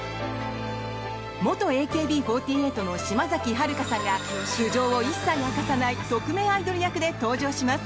元ＡＫＢ４８の島崎遥香さんが素性を一切明かさない匿名アイドル役で登場します！